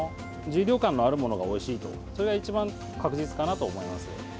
重量感のあるものがおいしいとそれが一番確実かなと思います。